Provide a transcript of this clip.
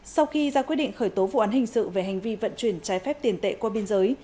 sau khi ra quyết định khởi tố vụ án hình sự về hành vi vận chuyển trái phép tiền tệ qua biên giới